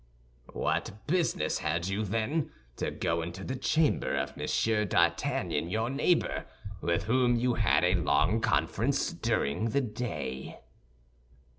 "What business had you, then, to go into the chamber of Monsieur d'Artagnan, your neighbor, with whom you had a long conference during the day?"